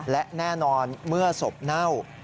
และแน่นอนเมื่อศพเน่า